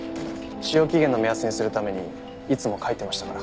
使用期限の目安にするためにいつも書いてましたから。